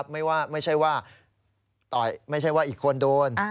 ไม่ใช่ว่าอีกคนโดน